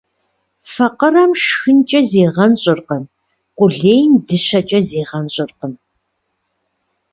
Факъырэм шхынкӏэ зигъэнщӏыркъым, къулейм дыщэкӏэ зигъэнщӏыркъым.